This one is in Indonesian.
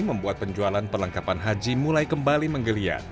membuat penjualan perlengkapan haji mulai kembali menggeliat